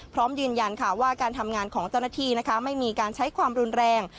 พร้อมยืนยันว่าการทำงานของเจ้าหน้าที่ไม่มีการใช้ความรุนแรง